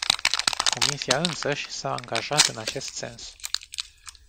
Comisia însăși s-a angajat în acest sens.